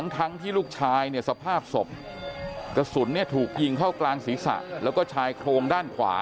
ทั้งที่ลูกชายเนี่ยสภาพศพกระสุนเนี่ยถูกยิงเข้ากลางศีรษะแล้วก็ชายโครงด้านขวา